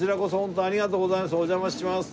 お邪魔します。